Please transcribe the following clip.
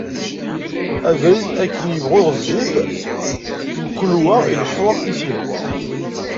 Abrid akken yebɣu yiɣzif, mkul wa ileḥḥu akken i s-yehwa.